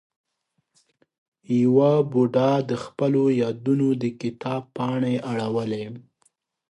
یوه بوډا د خپلو یادونو د کتاب پاڼې اړولې.